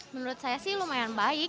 menurut saya sih lumayan baik